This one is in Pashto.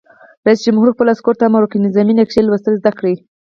رئیس جمهور خپلو عسکرو ته امر وکړ؛ نظامي نقشې لوستل زده کړئ!